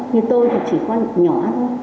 như tôi thì chỉ có nhỏ thôi